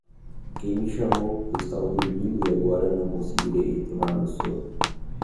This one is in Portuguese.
Quem me chamou, eu estava dormindo e agora não conseguirei retomar meu sono.